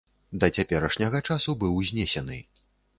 Да цяперашняга часу быў знесены.